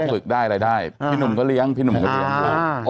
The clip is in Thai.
ฝึกได้อะไรได้พี่หนุ่มก็เลี้ยงพี่หนุ่มก็เลี้ยงด้วย